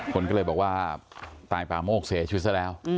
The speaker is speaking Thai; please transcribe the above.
คนก็เลยบอกว่าตายป่าโมกเสียชีวิตซะแล้ว